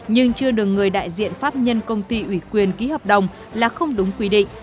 nhưng chưa được người đại diện pháp nhân công ty ủy quyền ký hợp đồng là không đúng quy định